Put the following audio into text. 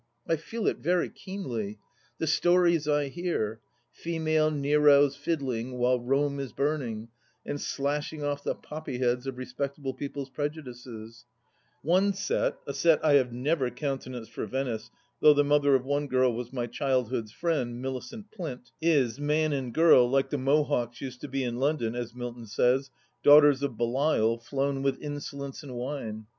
I feel it very keenly. The stories I hear ! Female Neros fiddling whUe Rome is burning and slashing oft the poppy heads of respectable people's prejudices 1 One set — a set I have never countenanced for Venice, though the mother of one girl was my childhood's friend, Millicent Flint — is, man and girl, like the Mohocks used to be in London, as Milton says, " daughters of Belial, flown with insolence and wine."